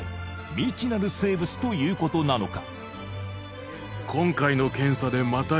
未知なる生物ということなのか